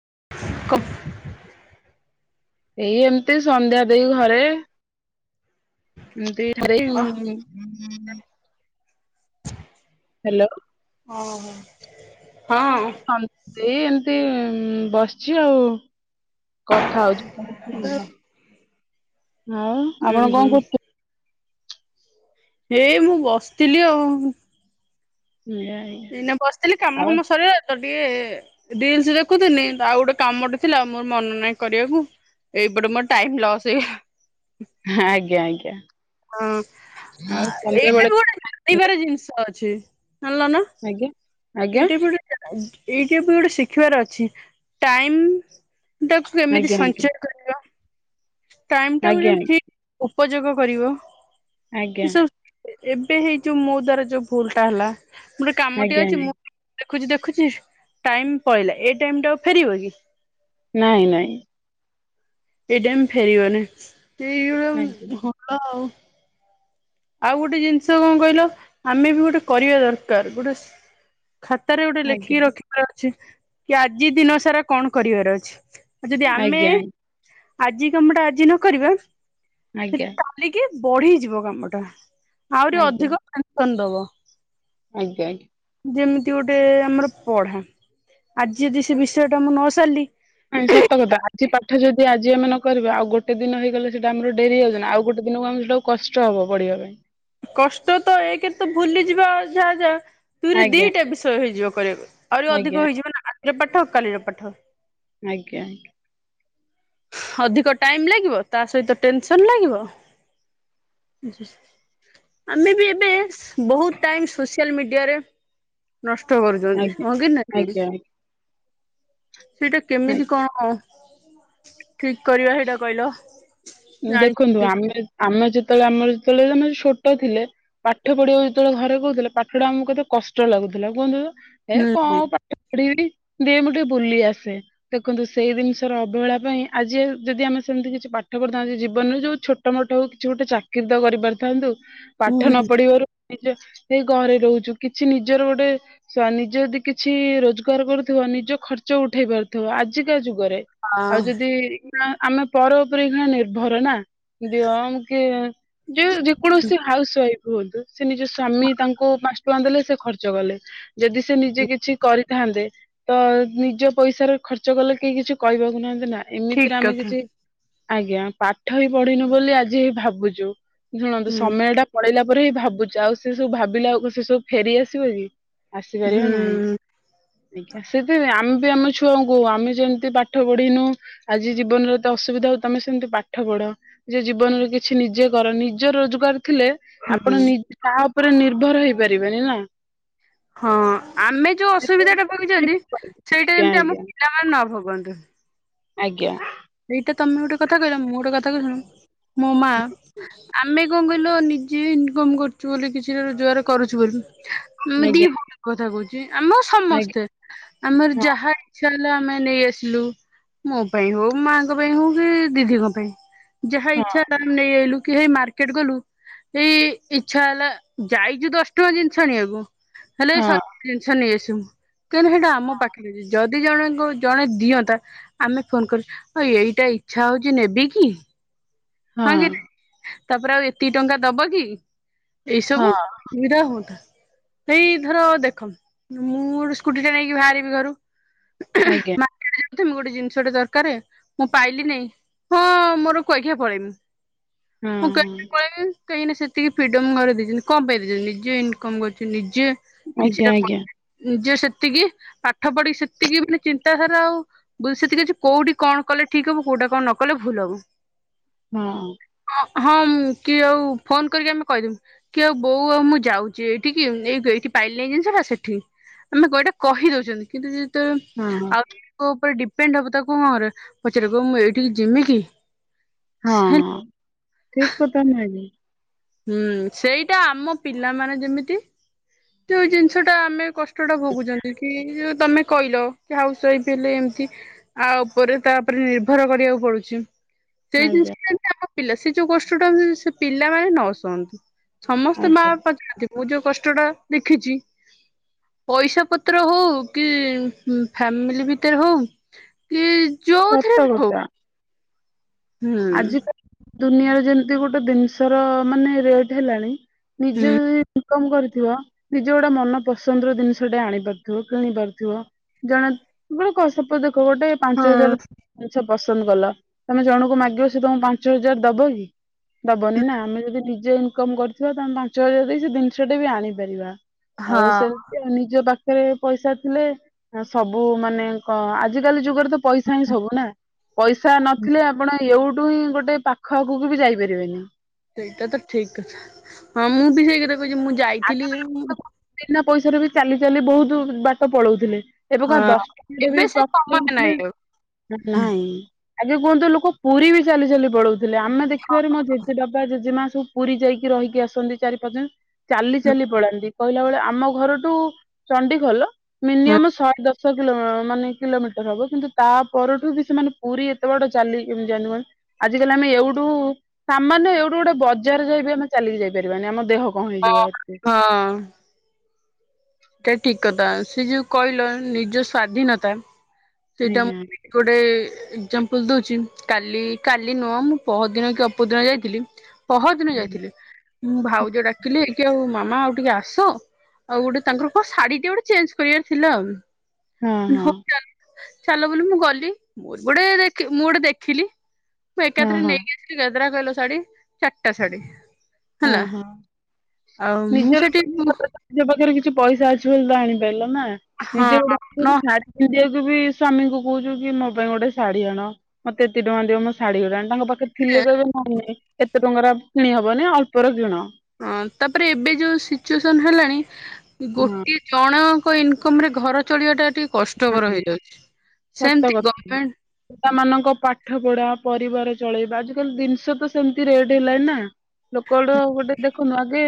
[inaudible] ଏଇ ଏମିତି ସନ୍ଧ୍ୟା ଦେଇ ଘରେ ଏମିତି ଘରେ ହଁ ଉମ୍ [inaudible] ହ୍ୟାଲୋ। ଓହ ହଁ। ଏଇ ଏମତି ଇମ୍ ବସିଛି ଆଉ କଥା ହଉଛି ଘର ସହିତ। ହଉ ହୁଁ ଆପଣ ହୁଁ କଣ କରୁଛନ୍ତି? ଏଇ ମୁଁ ବସିଥିଲି ଆଉ ଆଜ୍ଞା ଦିନେ ବସିଥିଲି କାମ ଆଜ୍ଞା ଆଉ ଫାମ ସରିଲ ଟିକେ ରିଲସ ଦେଖୁଥିଲି, ଆଉ ଗୋଟେ କାମଟେ ଥିଲା ମୋର ମନ ନହିଁ କରିବାକୁ। ଏଇବେଡ ମୋର ଟାଇମ୍ ଲସ୍ଇ ହେଇ ଆଜ୍ଞା ଆଜ୍ଞା। ହଁ ଆଉ ଏଇଟା ସନ୍ଧ୍ୟାବେଳେ ବି ଗୋଟେ ଜାଣିବାର ଜିନିଷ ଅଛି। [unintelligible] ଆଜ୍ଞା ଆଜ୍ଞା ଏଇଟୁବ ଗୋଟେ ଶିଖିବାର ଅଛି ଟାଇମ ତାକୁ କେମିତି ଆଜ୍ଞା ସଞ୍ଚୟ ଆଜ୍ଞା କରିବା। ଟାଇମ ଟାକୁ ଆଜ୍ଞା ଠିକ୍ ଉପଯୋଗ କରିବ। ଆଜ୍ଞା। ସେ ସବୁ ଏବେ ହେଇଛୁ ମୋ ଦ୍ଵାରା ଯୋଉ ଭୁଲ ଟା ହେଲା ମୋରୋ କାମଟେ ଆଜ୍ଞା ଅଛି ମୁଁ ଦେଖୁଛି ଦେଖୁଛି ଟାଇମ ପହିଲା ଏଇ ଟାଇମ ଟା ଆଉ ଫେରିବ କି? ନାଇଁ ନାଇଁ। ଏଇ ଟାଇମ୍ ଫେରିବନି ଏଇ ଆଜ୍ଞା [unintelligible] ହଲ ଆଉ। ଆଉ ଗୋଟେ ଜିନିଷ କଣ କହିଲ, ଆମେ ବି ଗୋଟେ କରିବା ଦରକାର ଗୋଟେ ସି ଖାତାରେ ଗୋଟେ ଆଜ୍ଞା ଲେଖିକି ରଖିବାର ଅଛି କି ଆଜି ଦିନ ସାରା କଣ କରିବାର ଅଛି। ଆଉ ଯଦି ଆମେ ଆଜ୍ଞା ଆଜି କାମ ଟା ଆଜି ନ କରିବା ସେ ଆଜ୍ଞା ଆଜ୍ଞା କାଲିକି ବଢିଯିବ କାମ ଟା ଆହୁରି ଅଧିକ ଟେନସନ ଦବ। ଆଜ୍ଞା ଆଜ୍ଞା। ଯେମିତି ଗୋଟେ ଆମର ପଢା ଆଜି ଯଦି ସେ ବିଷୟ ଟା ମୁଁ ନ ସାରିଲି ନାଇ ସତ କଥା ଆଜି ପା ଏଠାଦି ଆମେ ନ କରିବା ଆ ଗୋଟେ ଦିନ ହେଇଗଲେ ସେଇଟ ଆମର ଡରିଯାଉଛି ଆଉ ଗୋଟେ ଦିନ ଆମ ସେଇଟା କଷ୍ଟ ହେବ ପଡ଼ିବ। [unintelligible] କଷ୍ଟ ତ ଏ କେ ତ ଭୁଲିଯିବା ଯାହା ଯା। ତୁରେ ଆଜ୍ଞା ଦିଟା ବିଷୟ ହେଇଯିବ କରିବା ଆହୁରି ଅଧିକ ଆଜ୍ଞା ହେଇଯିବ ନା ରାତିର ପାଠ ଆଉ କାଲିର ପାଠ। ଆଜ୍ଞା ଆଜ୍ଞା। ଅଧିକ ଟାଇମ ଲାଗିବ ତା ସହିତ ଟେନସନ୍ ଲାଗିବ। ହ। ଆମେ ବି ଏବେ ବହୁତ ଟାଇମ ସୋସିଆଲ ମିଡିଆରେ। ନଷ୍ଟ କରୁଛନ୍ତି, ଆଜ୍ଞା ହଁ କି ଆଜ୍ଞା ନାହିଁ? ଆଜ୍ଞା ସେଇଟା କେମିତି ଆଜ୍ଞା। କଣ ଠିକ କରିବା ସେଇଟା କହିଲ? ଜାଣି ଦେଖନ୍ତୁ ହୁଁ ଆମେ ଆମେ ଯି ସେତେବେଳେ ଆମର ଯେତେବେଳେ ଜେ ଛୋଟ ଥିଲେ ପାଠ ପଢିବାକୁ ଯେତେବେଳେ ଘରେ କହୁଥିଲେ ପାଠଢା ଆମକୁ କେତେ କଷ୍ଟ ଲାଗୁଥିଲା। ବ ଲ କୁହନ୍ତୁ ଏ ହୁଁ କଣ ପାଠ ପଢିବି। ଦି ମୁଁ ଟିକେ ବୁଲି ଆସେ ଦେଖନ୍ତୁ, ସେଇ ଜିନିଷର ଅବହେଳା ପାଇଁ ଆଜି ଯଦି ଆମେ ସେମିତି କିଛି ପା ପାଠ କରଥାନ୍ତି ଜୀବନରେ ଯୋଉ ଛୋଟ ମୋଟ ହଉ କିଛି ଗୋଟେ ଚାକିର ତ କରିପାରିଥାନ୍ତୁ ପାଠ ହୁଁ ନ ପଢିବାରୁ। ନିଜ ସେଇ ଘରେ ରହୁଛୁ କିଛି ନିଜର ଗୋଟେ ନିଜେ ଯଦି କିଛି ରୋଜଗାର କରୁଥିବ। ନିଜ ଖର୍ଚ୍ଚ ଉଠେଇ ପାରୁଥିବ ଆଜିକା ଯୁଗ। ଯୁଗରେ ଆଉ ହଁ ଯଦି ଆମେ ପର ଉପରେଇ ନିର୍ଭର ନା। ଦିଅ କି ଯଉ ଯେକୌଣସି ହାଉସ୍ ୱାଇଫ୍ ହୁଅନ୍ତୁ। ସେ ନିଜ ସ୍ବମୀ ତାଙ୍କୁ ଦେଲେ ସେ ଖର୍ଚ୍ଚ ଗଲେ ଯଦି ସେ ନିଜେ କିଛି କରିଥାନ୍ତେ ତ ନିଜ ପଇସାରେ ଖର୍ଚ୍ଚ କଲେ କେହି କିଛି କହିବାକୁ ନାହାନ୍ତି ନା! ଠିକ ଏମିତିରେ ଆମେ କଥା କିଛି ଆଜ୍ଞା, ପାଠ ହିଁ ପଢିନୁ ବୋଲି ଆଜି ହି ଭାବୁଛୁ ଶୁଣନ୍ତୁ ହୁଁ ସମୟ ଟା ପଳେଇଲା ପରେ ହିଁ ଭାବୁଛି ଆଉ ସେ ସବୁ ଭାବିଲା ଆଉ ସେ ସବୁ ଫେରି ଆସିବ କି? ଆସିପାରିବ ନାହିଁ ହୁଁ ଆଜ୍ଞା ସେଥିପାଇଁ ଆମ। ଆମ ଛୁଆଙ୍କୁ ଆମେ ଯେମିତି ପାଠ ପଢିନୁ ଆଜି ଜୀବନରେ ଅସୁବିଧା ହଉ ତମେ ସେମିତି ପାଠ ପଢ ନି ଜୀବନରେ କିଛି ନିଜେ କର ନିଜ ରୋଜଗାର। ଥିଲେ ହୁଁ ଆପଣ ତା ଉପରେ ନିର୍ଭର ହେଇପାରିବେନି ନା ହଁ ଆମେ ଯୋଉ ଅସୁବିଧା ଟା ଭୋଗିଛନ୍ତି ସେଇଟା ଯେତେବେଳେ ଯେମତି ଆମ ଆଜ୍ଞା ପିଲାମାନେ ନ ଭୋଗନ୍ତୁ। ଆଜ୍ଞା। ଏଇଟା ତମେ ଗୋଟେ କଥା କହିଲ ମୁଁ ଗୋଟେ କଥା କ ଶୁଣୁ ମୋ ମା ଆମେ କଣ କହିଲ ନିଜେ ଇନକମ କରୁଛୁ, ବୋଲି କିଛି ରୋଜଗାର କରୁ ବୋଲି ଆମେ ଆଜ୍ଞା ଦି ଆଜ୍ଞା ଭଲ କଥା କହୁଛି, ଆମ ସମସ୍ତେ ଆଜ୍ଞା ଆମର ଯାହା ଇଛା ହେଲା ଆମେ ନେଇ ଆସିଲୁ ମୋ ପାଇଁ ହଉ ମାଙ୍କ ପାଇଁ ହଉ କି ଦିଦିଙ୍କ ପାଇଁ। ଯାହା ହଁ ଇଚ୍ଛା ଆମ ନେଇଲୁ। କି ସେଇ ମାର୍କେଟ ଗଲୁ ଏଇ ଇଛା ହେଲା, ଯାଇଛୁ ଦଶ ଟଙ୍କା ଜିନିଷ ଆଣିବାକୁ ହେଲେ ଏ ହଁ ସବୁ ଜିନିଷ ନେଇ ଆସିବୁ କାହିଁକନା ସେଇଟା ଆମ ପାଖରେ ଯଦି ଦି ଜଣଙ୍କୁ ଜଣେ ଦିଅନ୍ତା। ଆମେ ଫୋନ କରିଛ ଏଇଟା ଇଛା ହଉଛି ନେବି କି? ହଁ କି ତାପରେ ଆଉ ଏତିକ ଟଙ୍କା ଦବ କି? ଏଇ ହଁ ସବୁ ହଁ ସୁବିଧା ହୁଅନ୍। ସେଇ ଧର ଦେଖ ମୁଁ ଗୋଟ ସ୍କୁଟି ଟା ନେଇକି ବାହାରିବି ଘରୁ ଆଜ୍ଞା ମାର୍କେଟ ପ୍ରମ ତମେ ଗୋଟେ ଜିନିଷ ଟେ ଦରକାର, ମୁଁ ପାଇଲି ନାଇଁ ହଁ ମୋର କୁଆଖିଆ ପଳେଇମି ହଁ ମୁଁ ହଁ। କହିଖିଆ ପଳେଇମି କାହିଁକିନା ସେତିକି ଫିଡମ ଘରେ ଦେଇଛନ୍ତି, କଣ ପାଇଁ ଦେଇଛନ୍ତି ନିଜେ ଇନକମ କରୁଛନ୍ତି ନିଜେ ଆଜ୍ଞା କିଛିଟା ଆଜ୍ଞା କମପିଳିଟ ନିଜ। ସେତିକି ପାଠ ପଢିକି ସେତିକି ମାନେ ଚିନ୍ତାଧାରା ଆଉ ବୁଝ ସେତିକି ଅ କୋଉଠି କଣ କଲେ ଠିକ ହବ କ। କଉଟା କଣ ନ କଲେ ଭୁଲ ହବ ହଁ ହଁ କି ଆଉ ଫୋନ କରିକି ଆମେ କହିଦେମୁ, କି ଆଉ ବୋଉ ଆଉ ମୁଁ ଯାଉଛି ଏଇଠ କି ଏଇ ପାଇଲେଣି ଜିନିଷଟା ସେଠି ଆମେ ଏଟା କହିଦଉଛନ୍ତି, କିନ୍ତୁ ହଁ ଆଗ ଉପ ପେଣ୍ଡ ପ ତା କଣରେ ପଚାର କ ମୁଁ ଏଇଠିକି ଯିମି କି? ହଁ ହ ଠିକ କଥା ନୁହେଁ କି? ହୁଁ ସେଇଟା ଆମ ପିଲାମାନେ ଯେମିତି ଯୋଉ ଜିନିଷ ଟା ଆମେ କଷ୍ଟ କଷ୍ଟ ଟା ଭୋଗୁଛନ୍ତି କିଉ ତମେ କହିଲ କି ହାଉସ ୱାଇଫ ହେଲେ, ଏମିତି ଆ ଉପରେ ତା ଉପରେ ନିର୍ଭର କରିବାକୁ ପଡୁଛି ସେଇ ଆଜ୍ଞା ଜିନିଷ ଆମ ପିଲା ସେ ଯୋଉ କଷ୍ଟ ଟା ସେ ପିଲାମାନେ ନ ଶୁଅନ୍ତୁ। ସମସ୍ତେ ମା ଆଜ୍ଞା ବାପା ଚାହାନ୍ତି ମୁଁ ଯୋଉ କଷ୍ଟ ଟା ଦେଖିଛି ପଇସା ପତ୍ର ହଉ କି ଫ୍ୟାମିଲି ଭିତରେ ହଉ କି ଯୋଉଥିରେ ସତ ବି ହଉ କଥା। ହୁଁ। ଆଜିକାଲି ଦୁନିଆରେ ଯେମିତି ଗୋଟେ ବିନଷର ମାନେ ରେଟ ହେଲାଣି ନିଜେ ହୁଁ। ଯଦି କମ୍ କରିଥିବ ନିଜ ଗୋଟେ ମନ ପସନ୍ଦର ଜିନିଷ ଟେ ଆଣି ପାରୁଥିବ କିଣି ପାରୁଥିବ ଜଣେ ବଳେ କସପଦ ଗୋଟେ ପାଞ୍ଚ ହଁ। ହଜାର ଜିନିଷ ପସନ୍ଦ କଲ ତମେ ଜଣକୁ ମାଗ ସେ ତମକୁ ପାଞ୍ଚ ହଜାର ଦବ କି ଦବନି ନା ଆମେ ଯଦି ନିଜେ କମ କରିଥିବା ତାମେ ପାଞ୍ଚ ହଜାର ଦେଇ, ସେ ଜିନିଷଟା ବି ଆଣିପାରିବା ଆଉ ହଁ ସେମିତି ନିଜ ପାଖରେ ପାଖରେ ପଇସା ଥିଲେ, ସବୁ ମାନେ କ ଆଜିକାଲି ଯୁଗରେ ତ ପଇସା ହିଁ ସବୁ ନା ପଇସା ନଥିଲେ ଆପଣ କୋଉଠୁ ହିଁ ଗୋଟେ ପାଖ ଆଗକୁ ବି ଯାଇପାରିବେନି ସେଇଟା ତ ଠିକଥା ହଁ ମୁଁ ବି ସେଇ କଥା କହୁଛି, ମୁଁ ଆଗେ ଯାଇଥିଲି ବି ଲୋକ ବିନା ପଇସାରେ ବି ଚାଲି ଚାଲି ବହୁତ ବାଟ ପଳଉଥିଲେ ଏବେ କଣ ହଁ ଦଶଟାଡେ ଏବେ ବି ସେ ପାଖ ନ ସମୟ ଥିଲେ ନାହିଁ ଆଉ ନାଇଁ ଆଗେ କୁହନ୍ତୁ ଲୋକ ପୁରୀ ବି ଚାଲି ଚାଲି ପଳଉଥିଲେ, ଆମେ ଦେଖିବାରେ ମୋ ଜେଜେ ବାବା ଜେଜେମା ସବୁ ପୁରୀ ଯାଇକି ରହିକି ଆସନ୍ତି ଚାରି ପାଞ୍ଚ ଜଣ ଚାଲି ଚାଲି ପଳାନ୍ତି କହିଲା ବେଳେ ଆମ ଘରଠୁ ଚଣ୍ଡିଖଲ ହଁ ମିନିମମ ଶହେ ଦଶ ଶ କିଲୋ ମାନେ କିଲୋମିଟର ହବ, କିନ୍ତୁ ତା ପରଠୁ ବି ସେମାନେ ପୁରୀ ଏତେ ବାଟ ଚାଲି କେମିତି ଯାଆନ୍ତି ମାନେ ଆଜିକାଲି ଆମେ ଏଉଠୁ ସାମାନ୍ୟ ଏଇଠୁ ଗୋଟେ ବଜାର ଯାଇ ବିି ଆମେ ଚାଲିକି ଯାଇପାରିବାନି ଆମ ଦେହକୁ ହଁ ହଁ। ସେଟା ଠିକ କଥା ସେ ଯୋଉ କହିଲ ନିଜ ସ୍ଵାଧୀନତା ସେଇଟା ମୁ ଆଜ୍ଞା କୋଟେ ଏଜାମ୍ପଲ ଦଉଛି କାଲି କାଲି ନୂହଁ ମୁଁ ପହ ଦିନ କି ଅପର ଦିନ ଯାଇଥିଲି। ପହଦିନ ଯାଇଥିଲି, ମୁଁ ଭାଉଜ ଡାକିଲି କି ଆଉ ମାମା ଆଉ ଟିକେ ଆସ ଆଉ ଗୋଟେ ତାଙ୍କର କଣ ଶାଢ଼ୀ ଟେ ଗୋଟେ ଚେଞ୍ଜ କରିବାର ଥିଲା ହଁ ହଁ ଆଉ। ଚାଲ ବୋଲି ମୁଁ ଗଲି ମୁ ଗୋଟେ ମୁଁ ଗୋଟେ ଦେଖିଲି ମୁଁ ହଁ ଏକାଥରେ ହଁ ନେଇକି ଆସିଲି, ଗଦରା କହିଲ ଶାଢୀ ଚାରିଟା ଶାଢୀ ହଁ ହେଲା ହଁ ଆଉ ମୁଁ ସେଠି ନିଜ ପାଖରେ କିଛି ପଇସା ଅଛି ବୋଲି ତ ଆଣିପାରିଲ ନା ହଁ ନିଜ ଗାଢକୁ ନ [unintelligible] ବି ସ ସ୍ଵାମୀଙ୍କୁ କହୁଚୁ କି ମୋ ପାଇଁ ଗୋଟେ ଶାଢୀ ଆଣ, ମତେ ଏତେ ଟଙ୍କା ଦି ମୋ ଶଢୀ ଗୁଡାଣ ତାଙ୍କ ପାଖରେ ଥିଲେ କହିବେ, ନାଇଁ ନାଇଁ ଏତେ ଟଙ୍କାର କିଣି ହବନି ଅଳ୍ପର କିଣ ହଁ ତାପରେ ଏବେ ଯୋଉ ସିଚୁଏସନ ହେଲାଣି ହଁ ଗୋଟେ ଜଣ ଇନକମ ରେ ଘର ଚଳିବା ଟା ଟିକେ କଷ୍ଟକର ହେଇଯାଉଛି, ସେମତି ଗଣ୍ଟ ପିଲା ମାନଙ୍କ ପାଠ ପଢା ପରିବାର ଚଳେଇବା ଆଜିକାଲି, ଜିନିଷ ତ ସେମତି ରେଟ ହେଲାଣି ନା? ଲୋକଡୁ ଗୋଟେ ଦେଖୁନା ଆଗେ।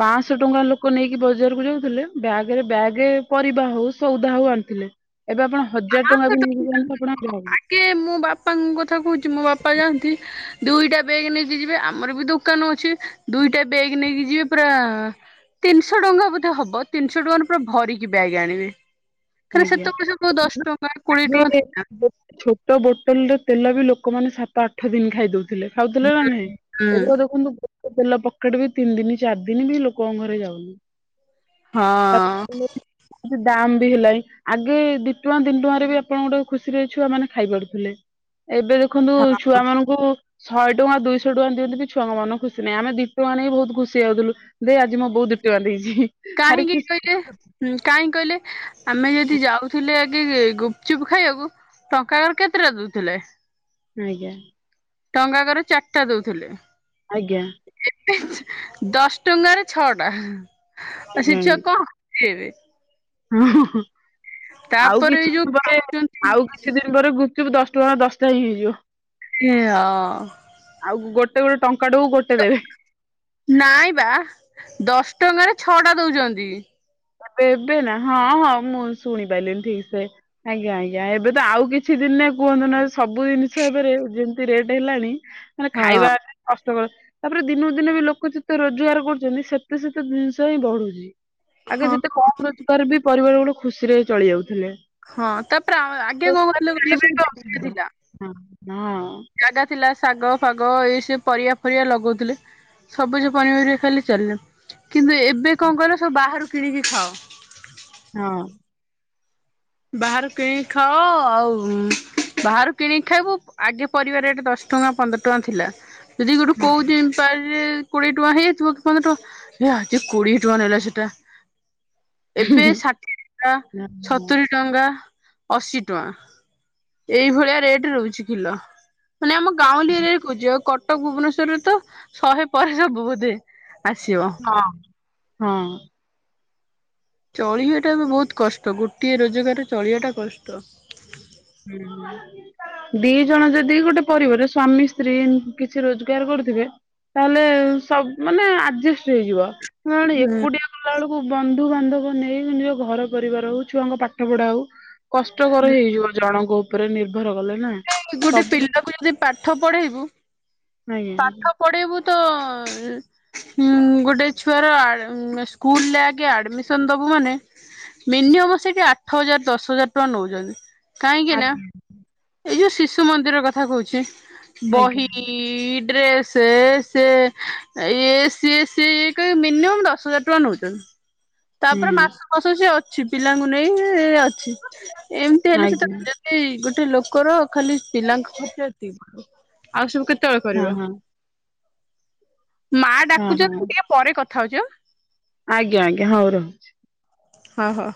ପଂସ୍ ଶହ ଟଙ୍କା ଲୋକ ନେଇକି ବଜାରକୁ ଯାଉଥିଲେ ବ୍ୟାଗରେ ବ୍ୟାଗ ପରିବା ହଉ ସଉଦା ହଉ ଆଣିଥିଲେ। ଏବେ ଆପଣ ହଜାର ଆଗେ ଟଙ୍କା ବି ନେଇକି ଯାଆନ୍ତୁ ଆପଣ ବ୍ୟାଗ। [unintelligible] ମୁଁ ବାପାଙ୍କ କଥା କହୁଛି ମୋ ବାପା ଯାଆନ୍ତି। ଦୁଇଟା ବେଗ ନେଇକି ଯିବେ ଆମର ବି ଦୋକାନ ଅଛି, ଦୁଇଟା ବେଗ୍ ନେଇକି ଯିବେ ପୁରା ତିନିଶହ ଟଙ୍କା ବୋଧେ ହବ ତିନିଶହ ଟଙ୍କାର ପୁରା ଭରିକି ବ୍ୟାଗ ଆଣିବେ। ଖାଲି ଆଜ୍ଞା। ସେତେବେଳେ ସେ କୋଉ ଦଶ ଟଙ୍କା କୋଡିଏ ଟଙ୍କା ଆଗେ ଥିଲା ଛୋଟ ବୋଟଲ ର ତେଲ ବି ଲୋକମାନେ ସାତ ଆଠ ଦିନ ଖାଇ ଦଉ ଥିଲେ। ଖାଉଥିଲେ ନା ନାହିଁ? ହୁଁ ଏବେ ଦେଖନ୍ତୁ ତେଲ ପକେଟେ ବି ତିନି ଦିନ ଚାରି ଦିନ ବି ଲୋକଙ୍କ ଘରେ ଯାଉନି। ହଁ। ତାପରେ ଦାମ୍ ବି ହେଲାଣି। ଆଗେ ଦିଟୁଆଁ ତିନଟୁଆଁ ରେ ବି ଆପଣଙ୍କ ଗୋଟେ ଖୁସିରେ ଛୁଆ ମାନେ ଖାଇ ପାରୁଥିଲେ। ଏବେ ଦେଖନ୍ତୁ ଛୁଆ ମାନଙ୍କୁ ଶହେ ଟା ଦୁଇଶହ ଟଙ୍କା ଦିଅନ୍ତିି ଛୁଆଙ୍କ ମନ ଖୁସି ନାହିଁଆମେ ଦିଟଙ୍କା ନେଇକି ବି ବହୁତୁ ଖୁସି ହେଇ ଯାଉଥିଲୁ ଦେ ଆଜି ମୋ ବୋଉ ଦି ଟଙ୍କା ଦେଇଛି। ଭାରି କାହିଁକି ଖୁସି କହିଲେ ହୁଁ କାହିଁକ କହିଲେ? ଆମେ ଯଦି ଯାଉଥିଲେ ଆଗେ ଗୁପଚୁପ ଖାଇବାକୁ ଟଙ୍କା କର କେତେଟା ଦଉଥିଲେ? ଆଜ୍ଞା। ଟଙ୍କାକରେ ଚାରିଟା ଦଉଥିଲେ। ଆଜ୍ଞା। [unintelligible] ଦଶ ଟଙ୍କାରେ ଛଅ ଟା ଆ ସେ ଛୁଆ କଣ ଖୁସିହେବେ? ହ ଅଁ ଅଁ ଆଉ ଏଇ କିଛି ଯୋଉ ଦିନ ପରେ ଖାଉଛନ୍ତି ଆଉ କିଛି ଦିନ ପରେ ଗୁ୍ ଚୁପ ଦଶ ଟଙ୍କା ଦଶଟା ହେଇଯିବ। ଏ ହଁ। ସେ ପୁଣି ଟଙ୍କାଟୁକୁ ଗୋଟେ ଦେବେ। ନାଇଁ ବା ଦଶ ଟଙ୍କାରେ ଛଅଟା ଦଉଛନ୍ତି। ଏବେ ଏବେ ନା ହଁ ହଁ ମୁଁ ଶୁଣି ପାରିଲିନି ଠିକ ସେ ଆଜ୍ଞା ଆଜ୍ଞା ଏବେ ତ ଆଉ କିଛି ଦି ଦିନେ କୁହନ୍ତୁ ନା ସବୁ ଜିନିଷ ଏବେ ରେ ଯେମିତି ରେଟ୍ ହେଲାଣି ମାନେ ହଁ ଖାଇବା ଆମେ କ ତାପରେ ଦିନକୁ ଦିନ ବି ଲୋକ ଯେତେ ରୋଜଗାର କରୁଛନ୍ତି ସେତେ ସେତେ ଜିନିଷ ହିଁ ବଢୁଛି। ଆଗେ ହଁ ଯେତେ କମ ରୋଜଗାର ବି ପରିବାର ଗୋଟେ ଖୁସି ରେ ଚଳି ଯାଉ ଥିଲେ। ହଁ ତାପରେ ଆଗେ କଣ କରୁଥିଲେ କହିଲ ସବୁ ଜାଗା ଥିଲା। [unintelligible] ହଁ ହଁ। ଜାଗା ଥିଲା ଶାଗ ଫାଗ ଏ ସେ ପରିବା ଫରିବା ଲଗାଉଥିଲେ ସବୁଜ ପନିପରିବା ଖାଲି ଚାଲିଲା। କିନ୍ତୁ ଏବେ କଁ କହିଲ? ସବୁ ବାହାରୁ କିଣିକି ଖାଅ। ହଁ। ବାହହାରୁ କିଣିକି ଖାଅ ଆଉ ଉଁ ବାହାରୁ କିଣିକି ଖାଇବୁ ଆଗେ ପରିବା ରେଟ୍ ଦଶ ଟଙ୍କା ପନ୍ଦର ଟଙ୍କା ଥିଲା। ଯଦି ଗୋଟେ ହଁ କୋଉଦିନ ପାରେ କୋଡିଏ ଟଙ୍କା ହେଇଯାଇଥିବ ପନ୍ଦର ଟଙ୍କା ଆଜି କୋଡିଏ ଟଙ୍କା ନେଲା ସେଟା। ଏବେ ଷାଠିଏଟା ହଁ ଛ ହଁ। ଟଙ୍କା ଅଶୀ ଟଙ୍କା ଏଇଭଳିଆ ରେଟ ରହୁଛି କିଲୋ। ମାନେ ଆମ ଗାଉଁଲି ଏରିଆରେ କହୁଛି, ଆଉ କଟକ ଭୁବନେଶ୍ୱର ରେ ତ ଶହେ ପରେ ସବୁ ବୋଧେ। ଆସିବ ହଁ ହଁ। ଚଳିବା ଟା ବହୁତ କଷ୍ଟ ଗୋଟିଏ ରୋଜଗାରରେ ଚଳିବା ଟା କଷ୍ଟ। ହୁଁ, ଦି ଜଣ ଯଦି ଗୋଟେ ପରିବାର ସ୍ଵାମୀ ସ୍ତ୍ରୀ ଏମିତି କିଛି ରୋଜଗାର କରୁଥିବେ। ତାହେଲେ ସବୁ ମାନେ ଆଡଜଷ୍ଟ ହେଇଯିବ ନହେଲେ ଏକୁଟିଆ କଲା ବେଳକୁ ବନ୍ଧୁ ବାନ୍ଧବ ନେଇ ନିଜ ଘର ପରିବାର ହଉ ଛୁଆଙ୍କ ପାଠ ପଢା ହଉ କଷ୍ଟକର ହେଇଯିବ ଜଣଙ୍କ ଉପରେ ନିର୍ଭ ଘର ଗଲେ ନା ଗୋଟେ ସବୁ ବେଳେ, ପିଲାକୁ ଯଦି ପାଠ ପଢେଇବୁ ଆଜ୍ଞା। [inaudible] ହଁ ଗୋଟେ ଛୁଆର ସ୍କୁଲରେ ଆଗେ ଆଡମିସନ ଦବୁ ମାନେ ମିନିଅବ ସେଠି ଆଠ ହଜାର ଦଶ ହଜାର ଟଙ୍କା ନଉଛନ୍ତି କାହିଁକି ନା ଆଜ୍ଞା। ଏଇ ଯୋଉ ଶିଶୁ ମନ୍ଦିରର କଥା କହୁଚି ଆଜ୍ଞା ଆଜ୍ଞା ବହି ରେ ସେ ସେ ଇଏ ସିଏ ସିଏ କଇବେ, ମିନିମ ଦଶ ହଜାର ଟଙ୍କା ନେଉଛନ୍ତି। ତାପରେ ହୁଁ ମାସ ମାସ ସିଏ ଅଛି ପିଲାଙ୍କୁ ନେଇ ସେ ଏମିତି ହେଲେ ସେଟା ଆଜ୍ଞା ଯୋଦି ଗୋଟେ ଲୋକର ଖାଲି ପିଲାଙ୍କ ଖର୍ଚ୍ଚ ଏତିକି ଆଉ ସବୁ କେ ହଁ ହଁ। ମା ଡାକୁଛନ୍ତି ହଁ ହଁ ଟିକେ ପରେ କଥା ହଉଚି। ଆଜ୍ଞା ଆଜ୍ଞା ହଉ ରହୁଚି। ହଁ ହଁ।